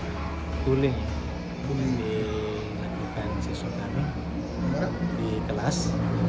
di kuling di lakukan sesuatu di kelas